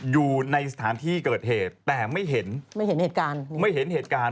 อยู่ในสถานที่เกิดเหตุแต่ไม่เห็นเหตุการณ์